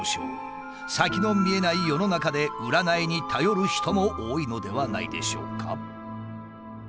先の見えない世の中で占いに頼る人も多いのではないでしょうか。